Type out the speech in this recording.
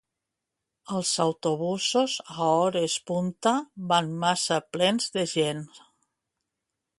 Els autobusos a hores punta van massa plens de gent